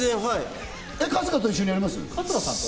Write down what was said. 春日と一緒にやります？